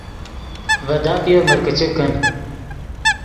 ڤے داپیف مرکیچے کن